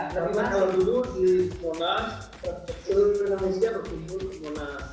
tapi kalau dulu di monas kemudian di indonesia kemudian di monas